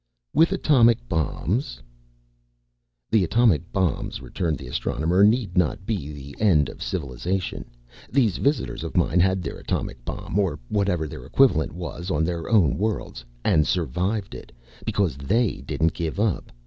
"With its atomic bombs?" "The atomic bombs," returned the Astronomer, "need not be the end of civilization. These visitors of mine had their atomic bomb, or whatever their equivalent was on their own worlds, and survived it, because they didn't give up.